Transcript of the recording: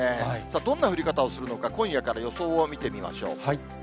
どんな降り方をするのか、今夜から予想を見てみましょう。